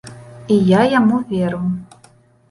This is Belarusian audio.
І я яму веру.